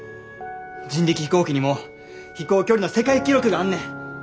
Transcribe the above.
人力飛行機にも飛行距離の世界記録があんねん。